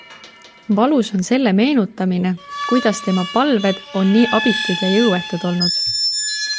Valus on selle meenutamine, kuidas tema palved on nii abitud ja jõuetud olnud.